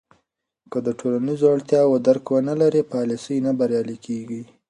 که د ټولنیزو اړتیاوو درک ونه لرې، پالیسۍ نه بریالۍ کېږي.